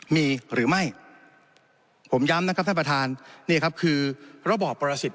มีหรือไม่ผมย้ำนะครับท่านประธานนี่ครับคือระบอบประสิทธิ